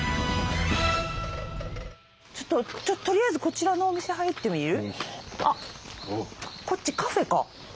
ちょっととりあえずこちらのお店入ってみる？